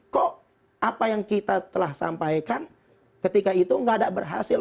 kok apa yang kita telah sampaikan ketika itu gak ada berhasil